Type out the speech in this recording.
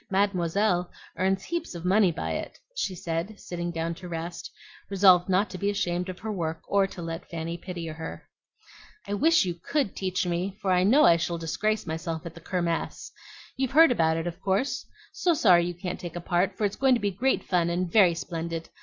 Mademoiselle earns heaps of money by it," she said, sitting down to rest, resolved not to be ashamed of her work or to let Fanny pity her. "I wish you COULD teach me, for I know I shall disgrace myself at the Kirmess. You've heard about it, of course? So sorry you can't take a part, for it's going to be great fun and very splendid.